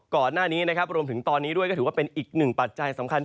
ก่อนหน้านี้นะครับรวมถึงตอนนี้ด้วยก็ถือว่าเป็นอีกหนึ่งปัจจัยสำคัญ